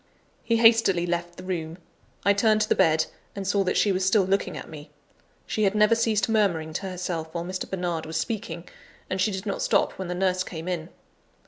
He hastily left the room. I turned to the bed, and saw that she was still looking at me. She had never ceased murmuring to herself while Mr. Bernard was speaking; and she did not stop when the nurse came in.